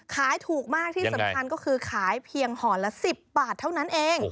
ขายถูกมากที่สำคัญก็คือขายเพียงห่อละ๑๐บาทเท่านั้นเอง